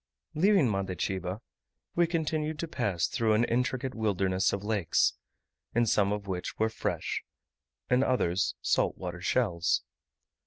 Leaving Mandetiba, we continued to pass through an intricate wilderness of lakes; in some of which were fresh, in others salt water shells.